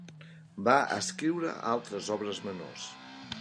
Va escriure altres obres menors.